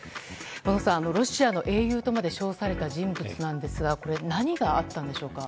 小野さん、ロシアの英雄とまで称された人物ですが何があったんでしょうか。